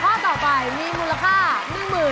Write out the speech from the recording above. เราต้องได้ละแบบนี้เจ้าต้องสนุกกว่าเดียวนี่